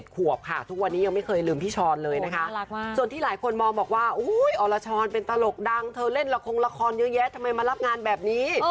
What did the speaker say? ส่วนที่หลายคนมองบอกว่าอ๋ออรชรเป็นตลกดังเธอเล่นละครอยู่เยอะทำไมมารับงานแบบนี้